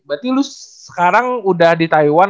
berarti lus sekarang udah di taiwan